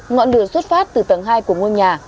ngọn lửa xuất phát từ tầng hai của ngôi nhà